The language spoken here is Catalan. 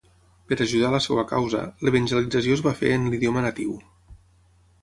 Per ajudar a la seva causa, l'evangelització es va fer en l'idioma natiu.